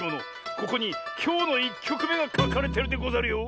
ここにきょうの１きょくめがかかれてるでござるよ。